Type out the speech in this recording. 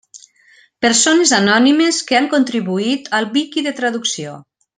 Persones anònimes que han contribuït al wiki de traducció.